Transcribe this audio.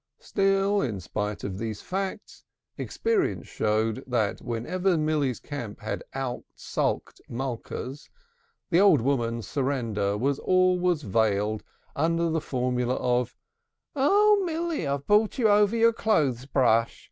Still, in spite of these facts, experience did show that whenever Milly's camp had outsulked Malka's, the old woman's surrender was always veiled under the formula of: "Oh Milly, I've brought you over your clothes brush.